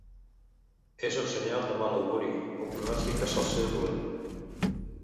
És un senyal de mal auguri, un pronòstic que sol ser dolent.